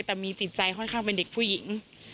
แต่มีจิตใจค่อนข้างเป็นเด็กผู้หญิง